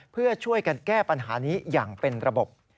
เพื่อช่วยกันแก้ปัญหานี้อย่างเป็นระบบ